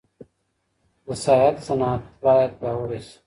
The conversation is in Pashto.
د سیاحت صنعت باید پیاوړی سي.